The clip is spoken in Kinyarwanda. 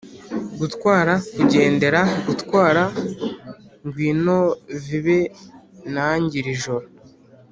gutwara, kugendera, gutwara, ngwino vibe nanjye iri joro